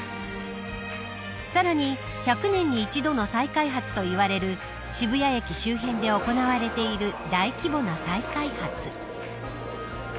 さらに１００年に一度の再開発と言われる渋谷駅周辺で行われている大規模な再開発。